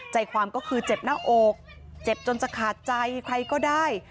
ใจความก็คือเจ็บหน้าอกเจ็บจนจะขาดใจใครก็ได้